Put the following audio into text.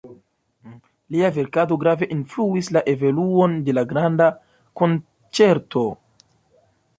Lia verkado grave influis la evoluon de la granda konĉerto.